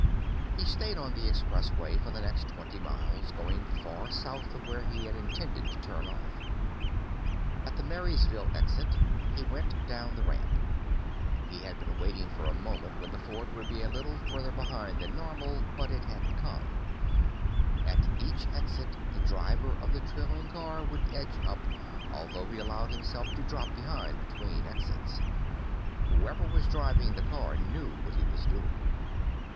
He stayed on the Expressway for the next twenty miles, going far north of where he had intended to turn off. At the Marysville Exit, he went down the ramp. He had been waiting for a moment when the Ford would be a little farther behind than normal, but it hadn't come; at each exit, the driver of the trailing car would edge up, although he allowed himself to drop behind between exits. Whoever was driving the car knew what he was doing.